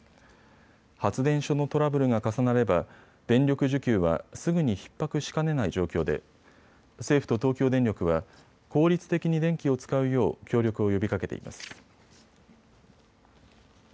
発電所のトラブルが重なれば電力需給はすぐにひっ迫しかねない状況で政府と東京電力は効率的に電気を使うよう協力を呼びかけています。